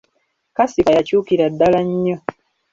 Kasifa yakyukira ddala nnyo.